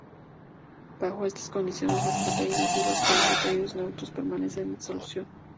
Bajo estas condiciones las proteínas y los polisacáridos neutros permanecen en solución.